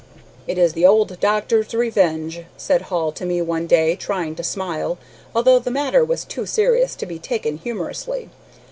"It is the old doctor's revenge," said Hall to me one day, trying to smile, although the matter was too serious to be taken humorously.